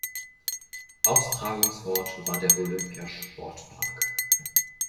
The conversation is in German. Austragungsort war der Olympia-Sportpark.